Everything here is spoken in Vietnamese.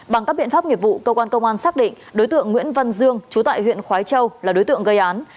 bằng các biện pháp nghiệp vụ công an xác định đối tượng nguyễn văn dương chú tại huyện khói châu là đối tượng gây án